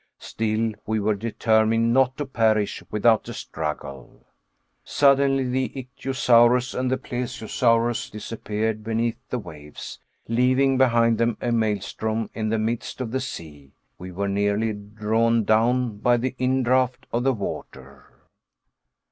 Still we were determined not to perish without a struggle. Suddenly the Ichthyosaurus and the Plesiosaurus disappeared beneath the waves, leaving behind them a maelstrom in the midst of the sea. We were nearly drawn down by the indraft of the water!